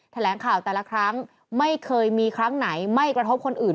แถลงข่าวแต่ละครั้งไม่เคยมีครั้งไหนไม่กระทบคนอื่น